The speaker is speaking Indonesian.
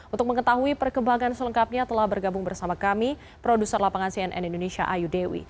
untuk mengetahui perkembangan selengkapnya telah bergabung bersama kami produser lapangan cnn indonesia ayu dewi